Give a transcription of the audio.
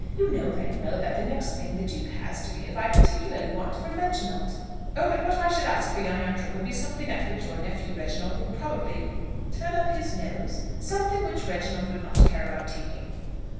You know very well that the next thing the duke has to give I particularly want for Reginald." "Oh, but what I should ask for young Ancram would be something at which your nephew Reginald would probably " "Turn up his nose?" "Something which Reginald would not care about taking."